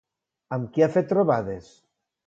Amb qui ha fet trobades?